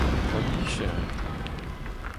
Ma micher eo.